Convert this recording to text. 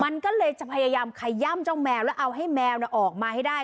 มันก็เลยจะพยายามขย่ำเจ้าแมวแล้วเอาให้แมวออกมาให้ได้